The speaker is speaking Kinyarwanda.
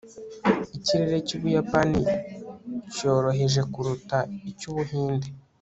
Ikirere cyUbuyapani cyoroheje kuruta icyUbuhinde